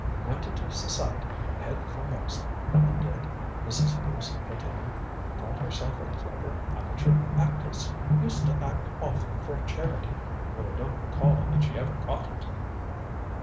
"Went into society head foremost, Helen did," Mrs. Bruce continued. "Thought herself a clever amateur actress. Used to act often for charity though I don't recall that she ever got it."